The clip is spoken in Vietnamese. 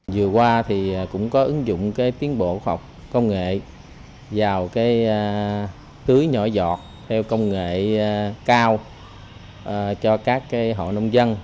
vừa qua thì cũng có ứng dụng cái tiến bộ học công nghệ vào cái tưới nhỏ giọt theo công nghệ cao cho các hội nông dân